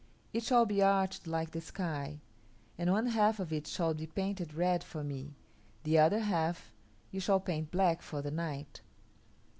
It shall be arched like the sky, and one half of it shall be painted red for me, the other half you shall paint black for the night."